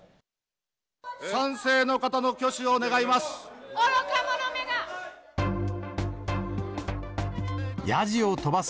賛成の方の挙手を願います。